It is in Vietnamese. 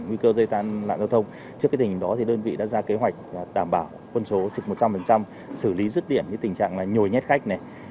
nguy cơ dây tan lạng giao thông trước cái tình hình đó thì đơn vị đã ra kế hoạch đảm bảo quân số trực một trăm linh xử lý rứt điển những tình trạng là nhồi nhét khách